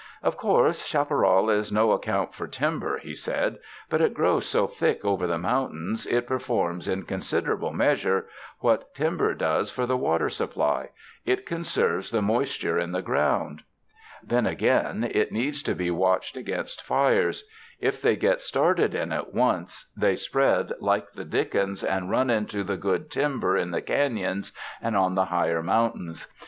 "Of course, chaparral's no account for timber," he said, "but it grows so thick over the mountains, it performs, in considerable measure, what timber does for the water supply — it conserves the mois ture in the ground. Then again, it needs to be watched against fires ; if they get started in it once, 167 UNDER THE SKY IN CALIFORNIA they spread like the dickens and run into the good timber in the canons and on the higher mountains.